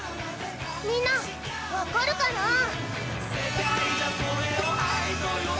みんな分かるかな？